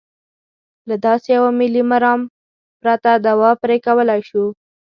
له داسې یوه ملي مرام پرته دوا پرې کولای شو.